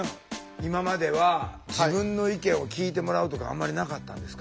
今までは自分の意見を聞いてもらうとかあんまりなかったんですか？